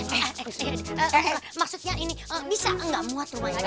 eh eh eh maksudnya ini bisa gak muat rumahnya